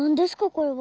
これは。